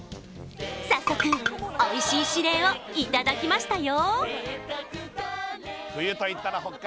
早速、おいしい指令をいただきましたよ